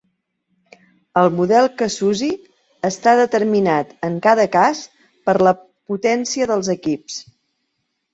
El model que s'usi està determinat en cada cas per la potència dels equips.